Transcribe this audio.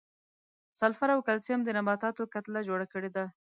سلفر او کلسیم د نباتاتو کتله جوړه کړې ده.